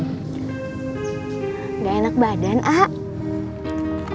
gak enak badan ah